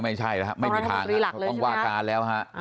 ไม่ใช่นะครับไม่มีทาง